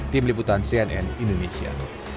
tim liputan cnn indonesia